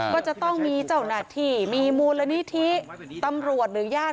ก็จะต้องมีเจ้าหน้าที่มีมูลนิธิตำรวจหรือญาติ